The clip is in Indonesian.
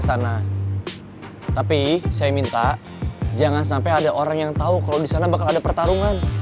sana tapi saya minta jangan sampai ada orang yang tahu kalau di sana bakal ada pertarungan